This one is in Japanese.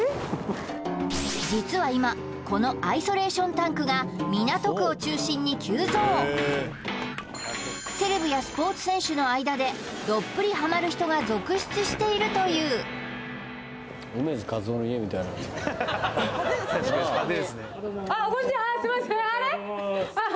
実は今このアイソレーションタンクが港区を中心に急増セレブやスポーツ選手の間でどっぷりハマる人が続出しているというあっこんにちはすいません